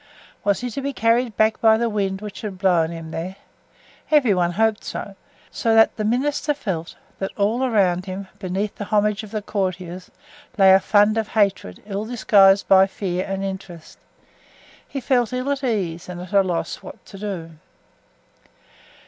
Was he to be carried back by the wind which had blown him there? Every one hoped so, so that the minister felt that all around him, beneath the homage of the courtiers, lay a fund of hatred, ill disguised by fear and interest. He felt ill at ease and at a loss what to do.